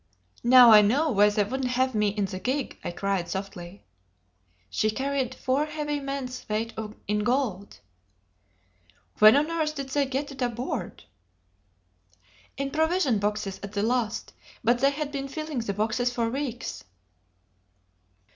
"Now I know why they wouldn't have me in the gig!" I cried softly. "She carried four heavy men's weight in gold." "When on earth did they get it aboard?" "In provision boxes at the last; but they had been filling the boxes for weeks."